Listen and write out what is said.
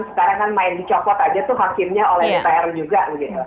sekarang kan main dicopot aja tuh hakimnya oleh mpr juga gitu